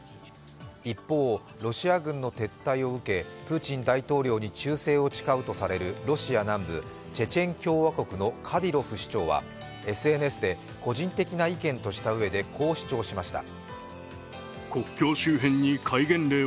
一方、ロシア軍の撤退を受け、プーチン大統領に忠誠を誓うとされるロシア南部・チェチェン共和国のカディロフ首長は、ＳＮＳで個人的な意見としたうえでこう主張しました。